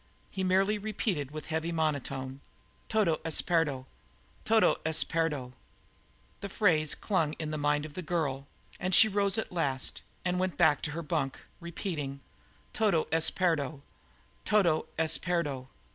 He merely repeated with heavy monotony: "Todo es perdo; todo es perdo!" The phrase clung in the mind of the girl; and she rose at last and went back to her bunk, repeating: "_Todo es perdo; todo es perdo!